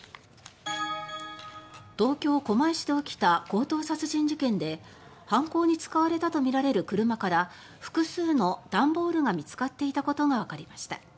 東京・狛江市で起きた強盗殺人事件で犯行に使われたとみられる車から複数の段ボールが見つかっていたことがわかりました。